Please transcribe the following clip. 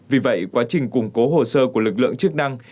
vì vậy quá trình củng cố hồ sơ của lực lượng chức năng